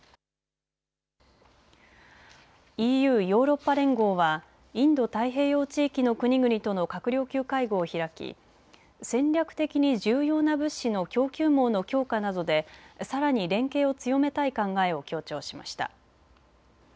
ＥＵ・ヨーロッパ連合はインド太平洋地域の国々との閣僚級会合を開き戦略的に重要な物資の供給網の強化などでさらに連携を強めたい考えを強調しました。